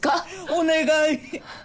お願い。